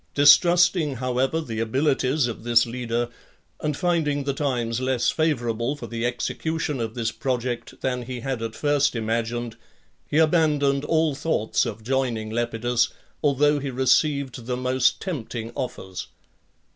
Distrusting, however, the abilities of this leader, and finding the times less favourable for the execution of this project than he had at first imagined, he abandoned all thoughts of joining Lepidus, although he received the most tempting offers.